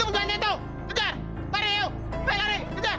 tidur tidur tidur